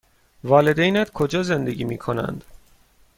والدینت کجا زندگی می کنند؟